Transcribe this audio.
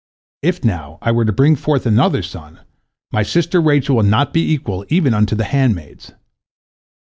If, now, I were to bring forth another son, my sister Rachel would not be equal even unto the handmaids."